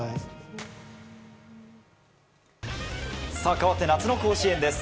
かわって、夏の甲子園です。